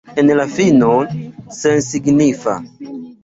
En la fino, sensignifa.